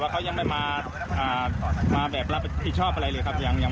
ก็จะเป็นปวกกิน